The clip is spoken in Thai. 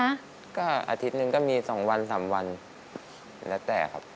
อาทิตย์นึงก็มีสองวันสามวันแล้วแต่ครับ